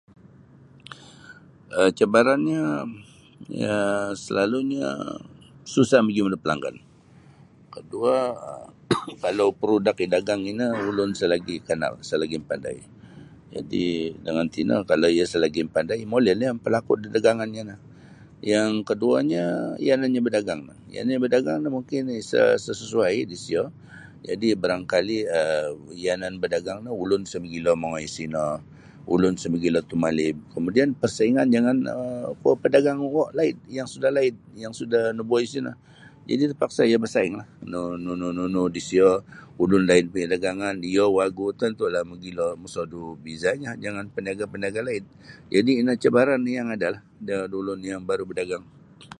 um Cabaranya ya selalunya susah magium da pelanggan kedua um kalau perudak idagang ino ulun isa lagi isa lagi kanal isa lagi mapandai jadi dangan tino kalau iyo isa lagi mapandai molin nio mapalaku kuo daganganya no yang kaduanya yananyo badagang yananyo badagang no mungkin isa sesuai di sio jadi barangkali um yanan badagang no ulun isa magilo mongoi sino ulun isa magilo tumalib kamudian persaingan jangan um kuo' padagang kuo' um laid yang sudah laid yang sudah nabuai sino jadi tapaksa iyo basainglah nu-nunu-nunu di sio ulun laid ti dagangan iyo wagu tantulah magilo mosodu bezanya jangan paniaga-paniaga laid jadi ino cabaran yang ada lah da ulun yang baru badagang.